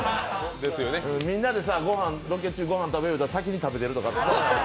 みんなでロケ中、御飯食べよう言うたら、先に食べてるみたいな。